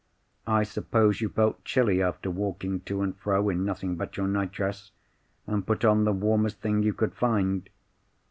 I suppose you felt chilly after walking to and fro in nothing but your nightdress, and put on the warmest thing you could find.